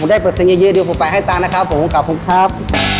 ผมได้เปรียบเศรษฐ์เยอะเดี๋ยวผมไปให้ตามนะครับผมกลับผมครับ